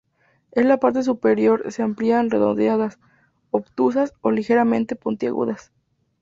En la parte superior se amplían redondeadas, obtusas o ligeramente puntiagudas.